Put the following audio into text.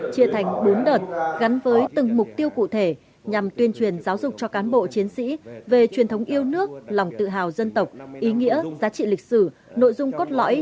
chia thành bốn đợt gắn với từng mục tiêu cụ thể nhằm tuyên truyền giáo dục cho cán bộ chiến sĩ về truyền thống yêu nước lòng tự hào dân tộc ý nghĩa giá trị lịch sử nội dung cốt lõi